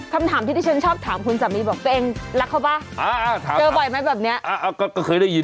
คำถามที่ที่ฉันชอบถามคุณสามีบอกตัวเองรักเขาป่ะอ่าถามเจอบ่อยไหมแบบเนี้ยอ่าก็ก็เคยได้ยิน